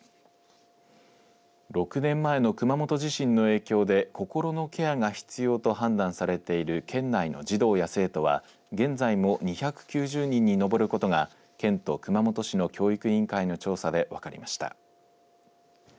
６年前の熊本地震の影響で心のケアが必要と判断されている県内の児童や生徒は現在も２９０人に上ることが県と熊本市の教育委員会の調査で分かりました。